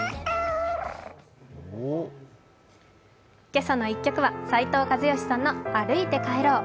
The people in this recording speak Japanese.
今朝の１曲は斉藤和義さんの「歩いて帰ろう」。